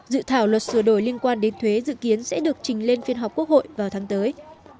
dự thảo luật sửa đổi liên quan đến thuế dự kiến sẽ được trình lên phiên họp quốc hội vào tháng tới